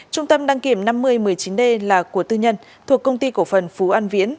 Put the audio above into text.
trung tâm đăng kiểm năm mươi một mươi chín d là của tư nhân thuộc công ty cổ phần phú an viễn